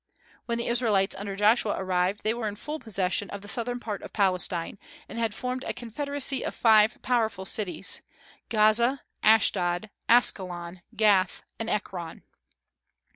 When the Israelites under Joshua arrived, they were in full possession of the southern part of Palestine, and had formed a confederacy of five powerful cities, Gaza, Ashdod, Askelon, Gath, and Ekron.